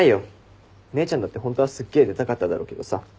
姉ちゃんだってホントはすっげえ出たかっただろうけどさ。